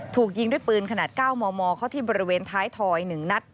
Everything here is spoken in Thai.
ถูกยิงด้วยปืนขนาด๙มมเข้าที่บริเวณท้ายถอย๑นัด